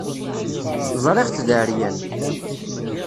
Ẓriɣ-t d aεeryan.